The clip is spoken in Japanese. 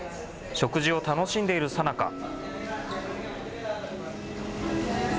食事を楽しんでいるさなか。